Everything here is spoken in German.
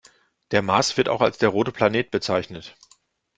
Der Mars wird auch als der „rote Planet“ bezeichnet.